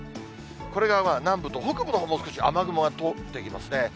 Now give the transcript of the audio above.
これが南部と北部のほうも少し雨雲が通っていきますね。